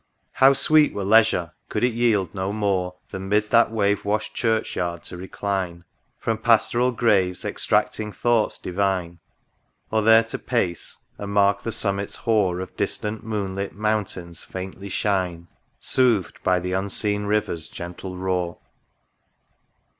How sweet were leisure ! could it yield no more Than mid that wave washed Church yard to recline, From pastoral graves extracting thoughts divine ; Or there to pace, and mark the summits hoar Of distant moon lit mountains faintly shine, Sooth'd by the unseen River's gentle roar.